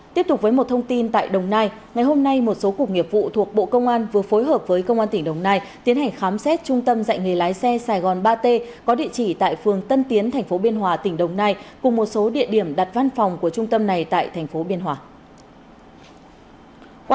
tiếp tục với một thông tin tại đồng nai ngày hôm nay một số cục nghiệp vụ thuộc bộ công an vừa phối hợp với công an tỉnh đồng nai tiến hành khám xét trung tâm dạy nghề lái xe sài gòn ba t có địa chỉ tại phường tân tiến tp biên hòa tỉnh đồng nai cùng một số địa điểm đặt văn phòng của trung tâm này tại thành phố biên hòa